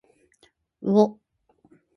うおっ。